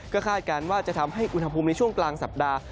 ก็คาดการณ์ว่าจะทำให้อุณหภูมิในช่วงกลางสัปดาห์